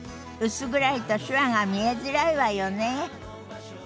薄暗いと手話が見えづらいわよね。